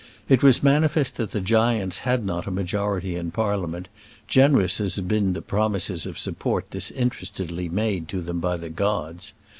It was manifest that the giants had not a majority in Parliament, generous as had been the promises of support disinterestedly made to them by the gods.